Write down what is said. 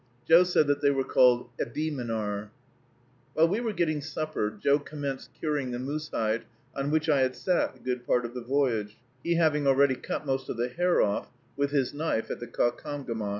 Joe said that they were called ebeemenar. While we were getting supper, Joe commenced curing the moose hide, on which I had sat a good part of the voyage, he having already cut most of the hair off with his knife at the Caucomgomoc.